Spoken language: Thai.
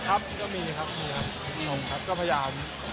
ครับก็มีครับมีครับชงครับก็พยายามทำบุญตลอดครับ